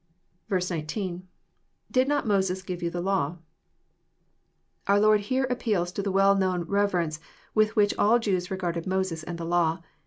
19. — IDid not Moses give you the lawf^ Our Lord here appeals to the well known reverence with which all Jews regarded Moses and the law.